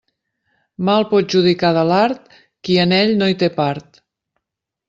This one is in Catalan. Mal pot judicar de l'art, qui en ell no hi té part.